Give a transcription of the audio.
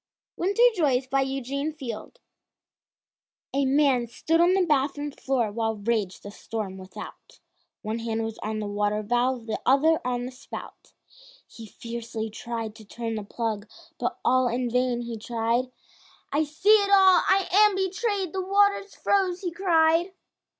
WINTER JOYS BY EUGENE FIELD A man stood on the bathroom floor, While raged the storm without, One hand was on the water valve, The other on the spout. He fiercely tried to turn the plug, But all in vain he tried, "I see it all, I am betrayed, The water's froze," he cried.